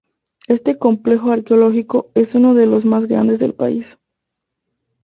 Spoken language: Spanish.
Este complejo arqueológico es uno de los más grandes del país.